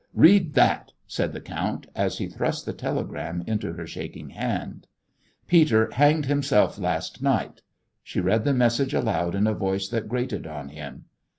"Read that," said the count, as he thrust the telegram into her shaking hand. "Peter hanged himself last night." She read the message aloud in a voice that grated on him.